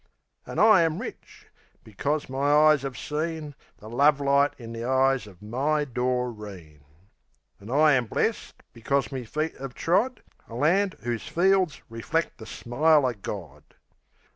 An' I am rich, becos me eyes 'ave seen The lovelight in the eyes of my Doreen; An' I am blest, becos me feet 'ave trod A land 'oo's fields reflect the smile o' God.